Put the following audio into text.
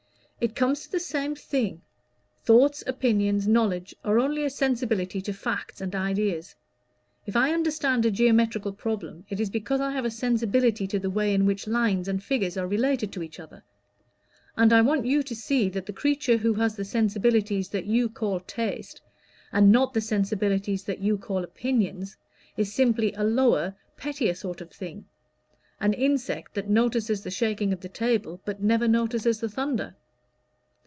"It comes to the same thing; thoughts, opinions, knowledge, are only a sensibility to facts and ideas. If I understand a geometrical problem, it is because I have a sensibility to the way in which lines and figures are related to each other; and I want you to see that the creature who has the sensibilities that you call taste, and not the sensibilities that you call opinions, is simply a lower, pettier sort of thing an insect that notices the shaking of the table, but never notices the thunder."